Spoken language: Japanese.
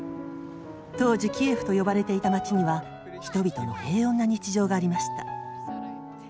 当時キエフと呼ばれていた街には人々の平穏な日常がありました。